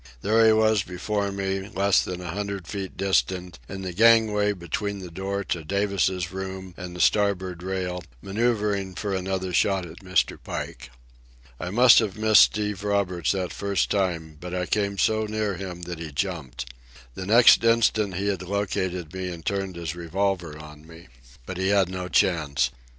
There he was before me, less than a hundred feet distant, in the gangway between the door to Davis' room and the starboard rail, manoeuvring for another shot at Mr. Pike. I must have missed Steve Roberts that first time, but I came so near him that he jumped. The next instant he had located me and turned his revolver on me. But he had no chance.